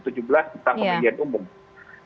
ketentuannya keadilan negeri tidak punya kewenangan